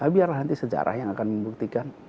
biarlah nanti sejarah yang akan membuktikan